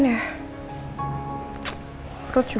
gue udah nangis